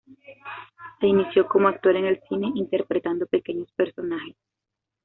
Se inició como actor en el cine interpretando pequeños personajes.